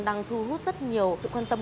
đang thu hút rất nhiều sự quan tâm